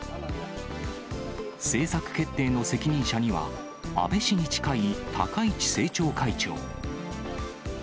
政策決定の責任者には、安倍氏に近い高市政調会長。